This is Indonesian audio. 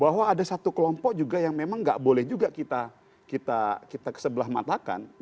bahwa ada satu kelompok juga yang memang nggak boleh juga kita kesebelah matakan